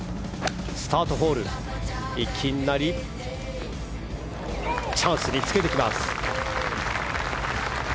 スタートホールでいきなりチャンスにつけてきます。